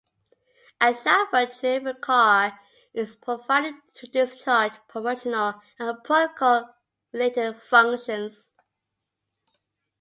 A chauffeur-driven car is provided to discharge promotional and protocol-related functions.